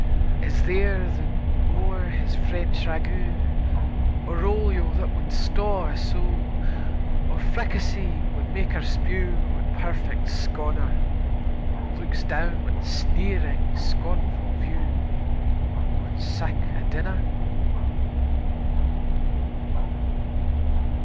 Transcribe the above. Is there that o'er his French ragout, Or olio that wad staw a sow, Or fricassee wad mak her spew Wi' perfect sconner, Looks down wi' sneering, scornfu' view On sic a dinner?